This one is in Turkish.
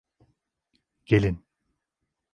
Gelin.